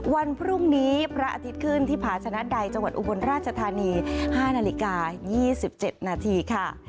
วันพรุ่งนี้พระอาทิตย์ขึ้นที่ผาชนะใดจังหวัดอุบลราชธานี๕นาฬิกา๒๗นาทีค่ะ